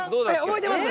覚えてます？